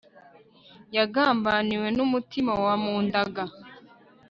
Yagambaniwe numutima wamundaga